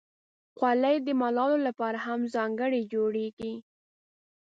خولۍ د ملالو لپاره هم ځانګړې جوړیږي.